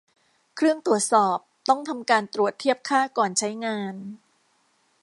เครื่องตรวจสอบต้องทำการตรวจเทียบค่าก่อนใช้งาน